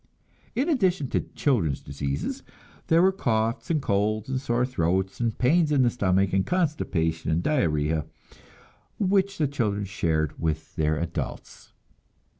In addition to children's diseases, there were coughs and colds and sore throats and pains in the stomach and constipation and diarrhea, which the children shared with their adults.